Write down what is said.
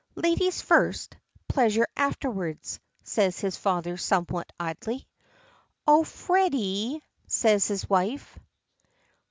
"Ladies first pleasure afterwards," says his father somewhat idly. "Oh Freddy!" says his wife.